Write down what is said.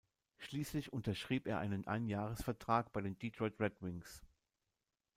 Schließlich unterschrieb er einen Einjahres-Vertrag bei den Detroit Red Wings.